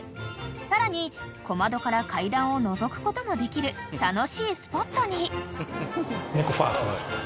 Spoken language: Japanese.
［さらに小窓から階段をのぞくこともできる楽しいスポットに］